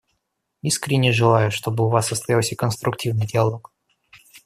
Искренне желаю, чтобы у вас состоялся конструктивный диалог.